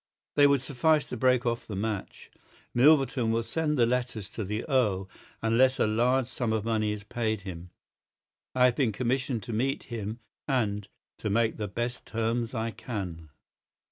They would suffice to break off the match. Milverton will send the letters to the Earl unless a large sum of money is paid him. I have been commissioned to meet him, and—to make the best terms I can."